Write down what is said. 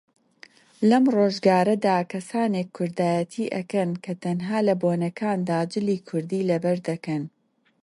لەم ڕۆژگارەدا کەسانێک کوردایەتی ئەکەن کە تەنها لە بۆنەکاندا جلی کوردی لەبەردەکەن